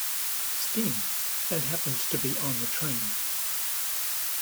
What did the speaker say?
Steam, and happens to be on the train.